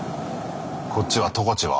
こっちは十勝は？